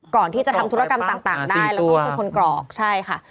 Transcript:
ก่อนที่จะทำธุรกรรมต่างได้แล้วต้องเป็นคนกรอกใช่ค่ะ